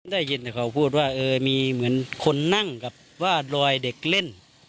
ได้ยินแต่เขาพูดว่ามีเหมือนคนนั่งกับว่ารอยเด็กเล่น